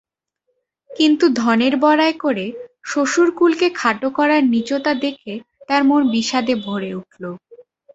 কিন্তু ধনের বড়াই করে শ্বশুরকুলকে খাটো করার নীচতা দেখে তার মন বিষাদে ভরে উঠল।